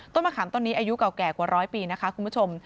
ต้นมะขามต้นนี้อายุเก่ากว่า๑๐๐ปีนะคะคุณผู้ชม